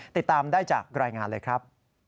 ติดตามได้จากรายงานเลยครับ